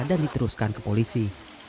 dan diteruskan ke polisi